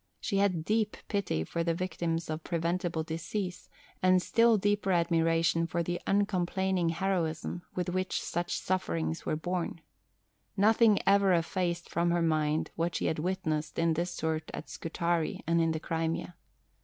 She had deep pity for the victims of preventable disease, and still deeper admiration for the uncomplaining heroism with which such sufferings were borne. Nothing ever effaced from her mind what she had witnessed in this sort at Scutari and in the Crimea.